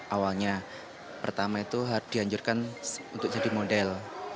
awalnya pertama itu dianjurkan untuk jadi model